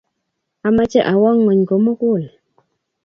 amache awok ngony komogul